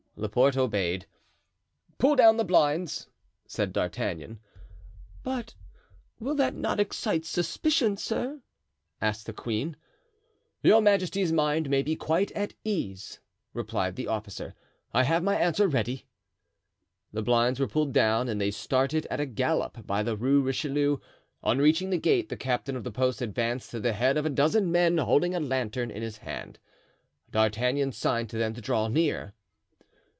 Laporte obeyed. "Pull down the blinds," said D'Artagnan. "But will that not excite suspicion, sir?" asked the queen. "Your majesty's mind may be quite at ease," replied the officer; "I have my answer ready." The blinds were pulled down and they started at a gallop by the Rue Richelieu. On reaching the gate the captain of the post advanced at the head of a dozen men, holding a lantern in his hand. D'Artagnan signed to them to draw near.